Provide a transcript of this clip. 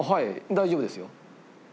大丈夫ですよ。